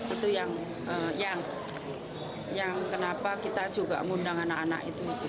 itu yang kenapa kita juga mengundang anak anak itu